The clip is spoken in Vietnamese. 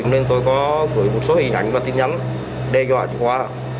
nên tôi có gửi một số hình ảnh và tin nhắn đe dọa chị khoa